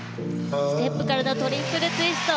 ステップからのトリプルツイスト。